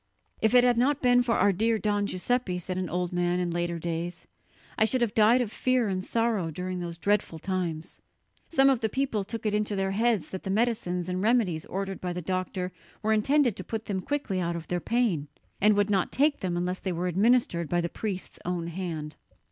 "If it had not been for our dear Don Giuseppe," said an old man in later days, "I should have died of fear and sorrow during those dreadful times." Some of the people took it into their heads that the medicines and remedies ordered by the doctor were intended to put them quickly out of their pain, and would not take them unless they were administered by the priest's own hand.